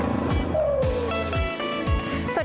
ฟิลกรเรา